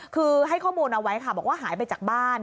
คือให้ข้อมูลเอาไว้ค่ะบอกว่าหายไปจากบ้าน